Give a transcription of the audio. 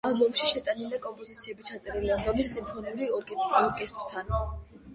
ალბომში შეტანილია კომპოზიციები, ჩაწერილი ლონდონის სიმფონიურ ორკესტრთან.